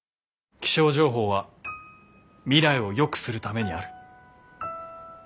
気象情報は未来をよくするためにある。